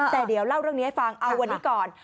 แต่เดี๋ยวเล่าเรื่องนี้ให้ฟังเอาวันนี้ก่อน